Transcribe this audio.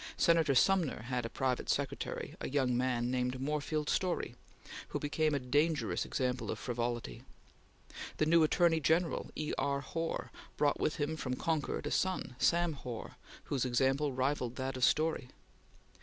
Senator Sumner had as private secretary a young man named Moorfield Storey, who became a dangerous example of frivolity. The new Attorney General, E. R. Hoar, brought with him from Concord a son, Sam Hoar, whose example rivalled that of Storey.